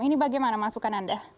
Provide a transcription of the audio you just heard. ini bagaimana masukan anda